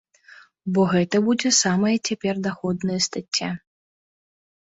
Бо гэта будзе самая цяпер даходная стацця.